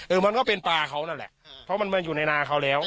มันก็เป็นปลาเขานั่นแหละเพราะมันมาอยู่ในนาเขาแล้ว